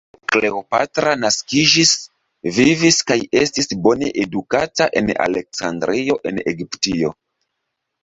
Kleopatra naskiĝis, vivis kaj estis bone edukata en Aleksandrio en Egiptio.